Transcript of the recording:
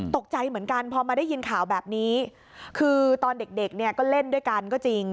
ตกใจเหมือนกันพอมาได้ยินข่าวแบบนี้คือตอนเด็กเด็กเนี่ยก็เล่นด้วยกันก็จริง